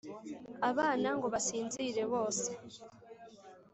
abana ngo basinzire bose